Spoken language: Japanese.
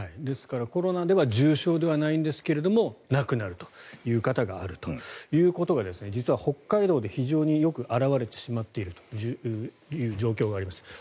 ですからコロナでは重症ではないんですが亡くなるという方があるということが実は北海道で非常によく表れてしまっている状況があります。